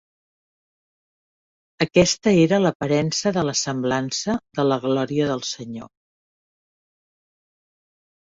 Aquesta era l'aparença de la semblança de la glòria del Senyor.